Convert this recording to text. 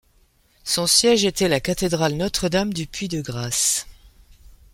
Son siège était la cathédrale Notre-Dame-du-Puy de Grasse.